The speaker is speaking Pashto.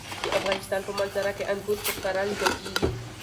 د افغانستان په منظره کې انګور په ښکاره لیدل کېږي.